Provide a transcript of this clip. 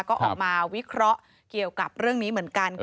ก็ออกมาวิเคราะห์เกี่ยวกับเรื่องนี้เหมือนกัน